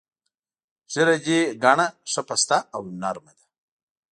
ږیره دې ګڼه، ښه پسته او نر مه ده.